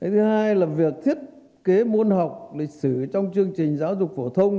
thứ hai là việc thiết kế môn học lịch sử trong chương trình giáo dục phổ thông